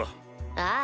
ああ。